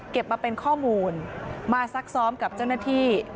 มาเป็นข้อมูลมาซักซ้อมกับเจ้าหน้าที่